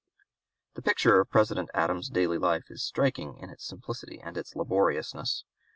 The picture of President Adams's daily life is striking in its simplicity and its laboriousness.